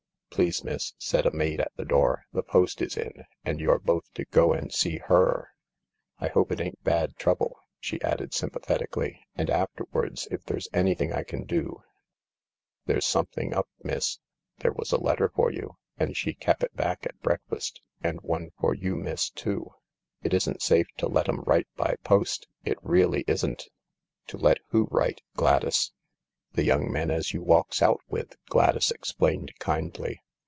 " Please, miss," said a maid at the door, "the post is in, and you're both to go and see Her. I hope it ain't bad trouble," she added sympathetically ;" and afterwards, if there's anything I can do ... There's something up, miss. There was a letter for you, and she fcep'it back at break fast—and one for you, miss, too. It isn't safe to let 'em write by post, it really isn't." " To let who write, Gladys ?" "The young men as you walks out with," Gladys ex plained kindly.